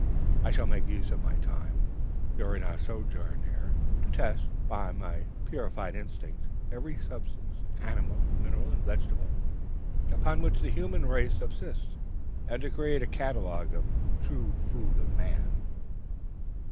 I shall make use of my time, during our sojourn here, to test, by my purified instinct, every substance, animal, mineral, and vegetable, upon which the human race subsists, and to create a catalogue of the True Food of Man!'